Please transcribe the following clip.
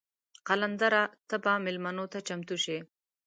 قلندره ته به میلمنو ته چمتو شې.